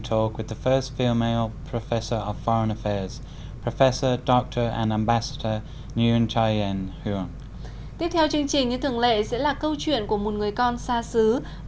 tiếp theo chương trình như thường lệ sẽ là câu chuyện của một người con xa xứ